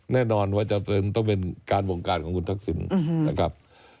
แน่นอนว่าจะต้องเป็นการวงการของคุณทักษิณนะครับ